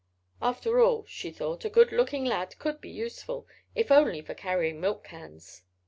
After all, she thought, a good looking lad could be useful, if only for carrying milk cans.